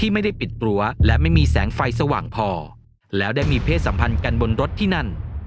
ไม่ได้ปิดรั้วและไม่มีแสงไฟสว่างพอแล้วได้มีเพศสัมพันธ์กันบนรถที่นั่น